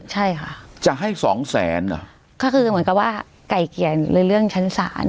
ใช่ค่ะจะให้สองแสนเหรอก็คือเหมือนกับว่าไก่เกลียดหรือเรื่องชั้นศาล